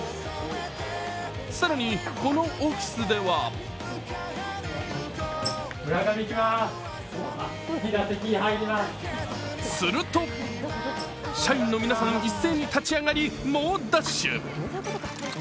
更に、このオフィスではすると、社員の皆さん一斉に立ち上がり猛ダッシュ。